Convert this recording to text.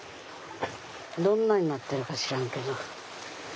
どんなになってるか知らんけど。